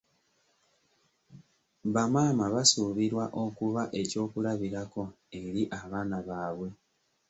Bamaama basuubirwa okuba ekyokulabirako eri abaana baabwe.